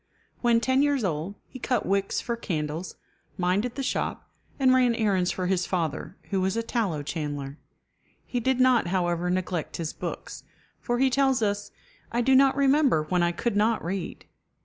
When ten years old, he cut wicks for candles, minded the shop, and ran errands for his father, who was a tallow chandler. He did not, however, neglect his books, for he tells us, "I do not remember when I could not read."